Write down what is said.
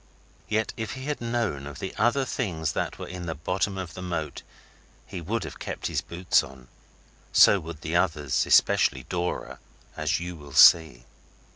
Yet if he had known of the other things that were in the bottom of that moat he would have kept his boots on. So would the others, especially Dora, as you will see.